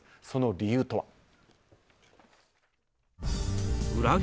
その理由とは。